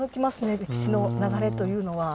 歴史の流れというのは。